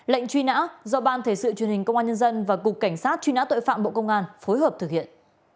lệnh truy nã do ban thể sự truyền hình công an nhân dân và cục cảnh sát truy nã tội phạm bộ công an phối hợp thực hiện